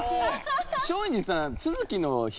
松陰寺さん。